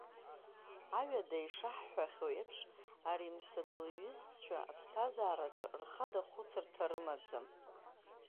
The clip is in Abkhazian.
Аҩада ишаҳҳәахьоу еиԥш, Аримсада лҩызцәа аԥсҭазаараҿы рхада хәыцырҭа рымаӡам.